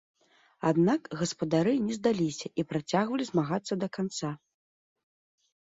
Аднак гаспадары не здаліся і працягвалі змагацца да канца.